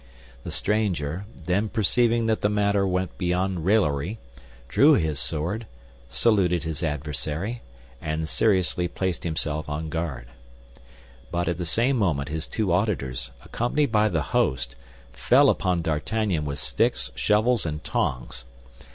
The stranger, then perceiving that the matter went beyond raillery, drew his sword, saluted his adversary, and seriously placed himself on guard. But at the same moment, his two auditors, accompanied by the host, fell upon D'Artagnan with sticks, shovels and tongs.